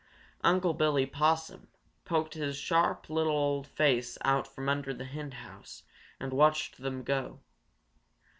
Unc' Billy Possum poked his sharp little old face out from under the henhouse and watched them go.